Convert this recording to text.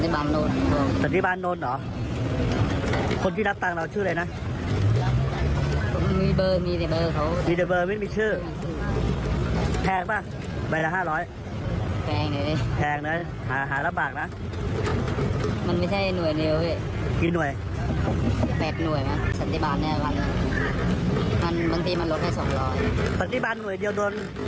มันไม่ใช่หน่วยเดียวเว้ยแปดหน่วยเหมือนกันสติบาลแน่วันหนึ่ง